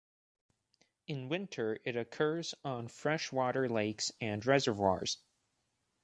In winter, it occurs on freshwater lakes and reservoirs.